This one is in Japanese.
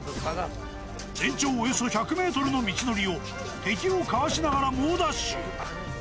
全長およそ１００メートルの道のりを、敵をかわしながら猛ダッシュ。